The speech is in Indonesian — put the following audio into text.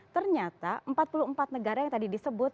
ternyata empat puluh empat negara yang tadi disebut